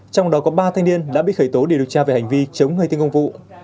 trong đó có ba thanh niên đã bị khởi tố để điều tra về hành vi chống người thi công vụ